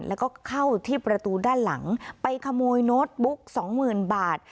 แล้วก็เข้าที่ประตูด้านหลังไปขโมยโน้ตบุ๊กสองหมื่นบาท